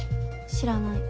知らない。